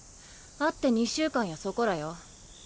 会って２週間やそこらよ。